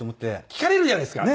聞かれるじゃないですか。